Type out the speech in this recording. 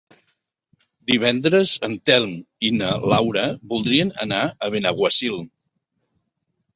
Divendres en Telm i na Laura voldrien anar a Benaguasil.